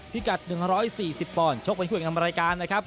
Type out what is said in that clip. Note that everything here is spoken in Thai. พิกัด๑๔๐ปอนด์ชกเป็นเครื่องอำนาจรายการนะครับ